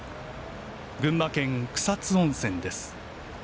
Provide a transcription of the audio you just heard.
群馬県草津温泉です。